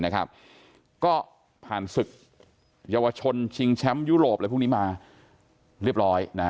ก็ผ่านศึกเยาวชนชิงแชมป์ยุโรปอะไรพวกนี้มาเรียบร้อย